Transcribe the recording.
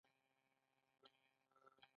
که چا به ژمنه نه کوله نو نه بخښل کېده.